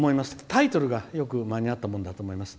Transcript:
タイトルがよく間に合ったもんだと思います。